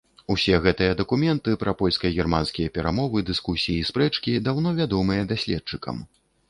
Усе гэтыя дакументы пра польска-германскія перамовы, дыскусіі і спрэчкі даўно вядомыя даследчыкам.